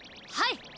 はい。